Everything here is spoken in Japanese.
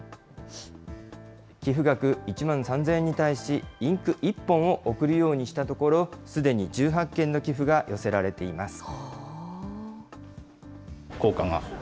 寄付額１万３０００円に対し、インク１本を贈るようにしたところ、すでに１８件の寄付が寄せられています。